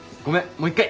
もう一回！